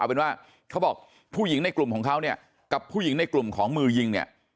เป็นว่าเขาบอกผู้หญิงในกลุ่มของเขาเนี่ยกับผู้หญิงในกลุ่มของมือยิงเนี่ย